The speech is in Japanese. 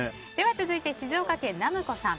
続いて静岡県の方。